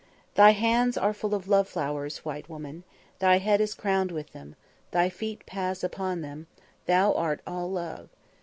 "Thy hands are full of love flowers, white woman; thy head is crowned with them; thy feet pass upon them; thou art all love.